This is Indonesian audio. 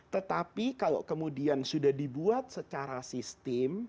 tetapi kalau kemudian sudah dibuat secara sistem